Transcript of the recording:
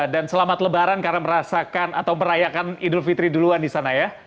dan selamat lebaran karena merasakan atau merayakan idul fitri duluan di sana ya